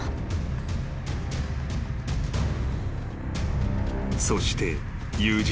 ［そして友人３人］